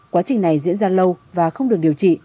quá trình này diễn ra lâu và không được điều trị